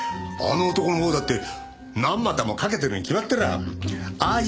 あの男のほうだって何股もかけてるに決まってらあ！